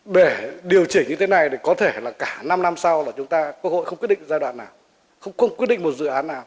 để điều chỉnh như thế này thì có thể là cả năm năm sau là chúng ta quốc hội không quyết định giai đoạn nào không quyết định một dự án nào